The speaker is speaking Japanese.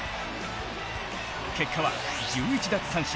結果は１１奪三振